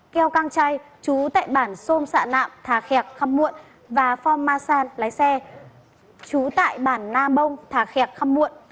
lào càng chay trú tại bản xôm xạ nạm thả khẹp khăm muộn và phom ma san lái xe trú tại bản na bông thả khẹp khăm muộn